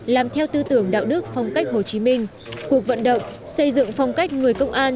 làm theo tư tưởng đạo đức phong cách hồ chí minh cuộc vận động xây dựng phong cách người công an